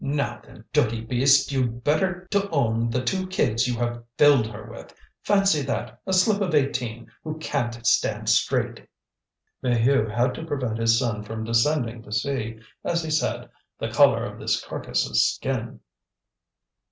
"Now, then, dirty beast! You'd better to own the two kids you have filled her with. Fancy that, a slip of eighteen, who can't stand straight!" Maheu had to prevent his son from descending to see, as he said, the colour of this carcass's skin.